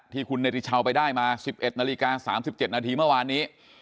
ที่คุณเนติชาวไปได้มา๑๑นาฬิกา๓๗นาทีเมื่อวานนี้